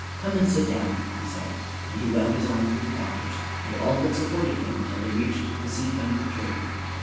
"Come and sit down," he said, and he wound his arm through the doctor's and all but supported him until they reached the seat under the tree.